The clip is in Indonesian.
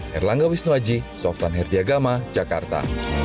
herlangga wisnuaji softan herdiagama jakarta